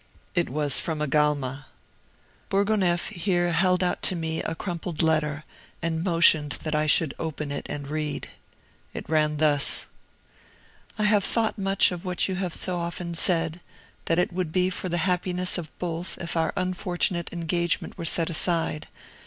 It was from Agalma." Bourgonef here held out to me a crumpled letter, and motioned that I should open it and read. It ran thus: "I have thought much of what you have so often said, that it would be for the happiness of both if our unfortunate engagement were set aside.